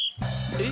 え？